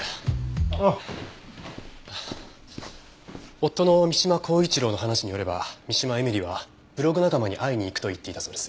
夫の三島航一郎の話によれば三島絵美里はブログ仲間に会いに行くと言っていたそうです。